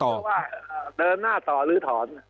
ก็ว่าเดินหน้าต่อลื้อถอน